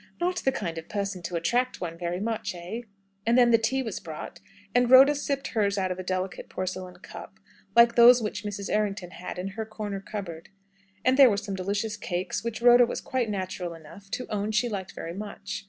Not the kind of person to attract one very much, eh!" And then tea was brought, and Rhoda sipped hers out of a delicate porcelain cup, like those which Mrs. Errington had in her corner cupboard. And there were some delicious cakes, which Rhoda was quite natural enough to own she liked very much.